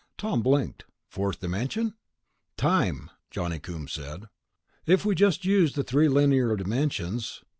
Tom blinked. "Fourth dimension?" "Time," Johnny Coombs said. "If we just used the three linear dimensions